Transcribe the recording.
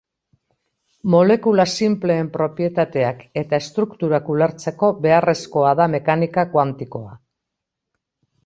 Molekula sinpleen propietateak eta estrukturak ulertzeko beharrezkoa da mekanika kuantikoa.